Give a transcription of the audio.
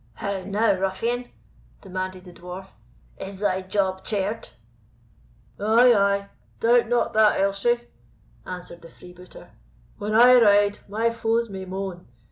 "How now, ruffian!" demanded the Dwarf, "is thy job chared?" "Ay, ay, doubt not that, Elshie," answered the freebooter; "When I ride, my foes may moan.